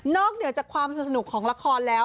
เหนือจากความสนุกของละครแล้ว